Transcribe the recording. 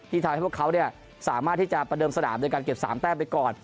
ทำให้พวกเขาสามารถที่จะประเดิมสนามโดยการเก็บ๓แต้มไปก่อน